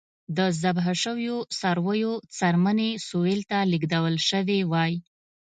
د ذبح شویو څارویو څرمنې سویل ته لېږدول شوې وای.